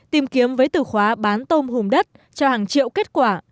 tìm kiếm với từ khóa bán tôm hùm đất cho hàng triệu kết quả